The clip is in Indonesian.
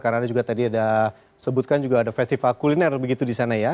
karena tadi ada sebutkan juga ada festival kuliner begitu di sana ya